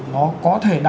nó có thể đạt được